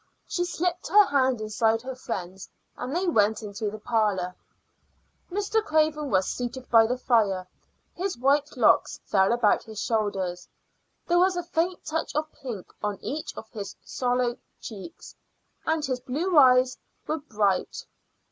She slipped her hand inside her friend's, and they went into the parlor. Mr. Craven was seated by the fire. His white locks fell about his shoulders; there was a faint touch of pink on each of his sallow cheeks, and his blue eyes were bright.